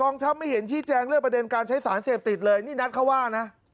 ทัพไม่เห็นชี้แจงเรื่องประเด็นการใช้สารเสพติดเลยนี่นัทเขาว่านะ